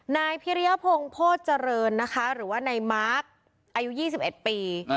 นายพิริยพงภพจรรย์นะคะหรือว่าในมาร์คอายุ๒๑ปี